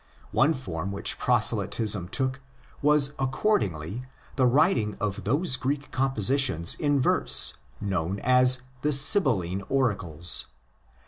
One form which proselytism took was accordingly the writing of those Greek compositions in verse known as the Sibylline Oracles.